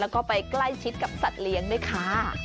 แล้วก็ไปใกล้ชิดกับสัตว์เลี้ยงด้วยค่ะ